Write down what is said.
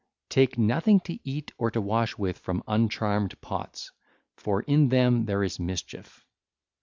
(ll. 748 749) Take nothing to eat or to wash with from uncharmed pots, for in them there is mischief.